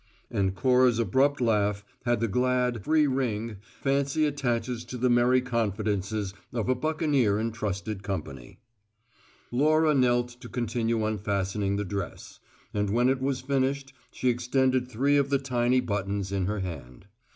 And Cora's abrupt laugh had the glad, free ring fancy attaches to the merry confidences of a buccaneer in trusted company. Laura knelt to continue unfastening the dress; and when it was finished she extended three of the tiny buttons in her hand.